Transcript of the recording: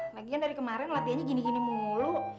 bagian dari kemarin latihannya gini gini mulu